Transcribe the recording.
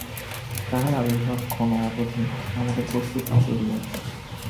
তাঁহার আবির্ভাব-ক্ষণ অবধি আমাদের প্রস্তুতি চলিবে।